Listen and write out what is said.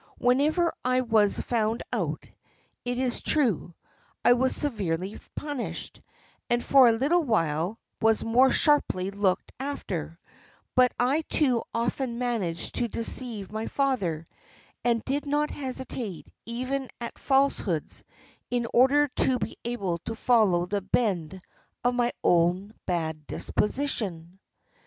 Whenever I was found out, it is true, I was severely punished, and for a little while was more sharply looked after, but I too often managed to deceive my father, and did not hesitate even at falsehoods in order to be able to follow the bent of my own bad disposition.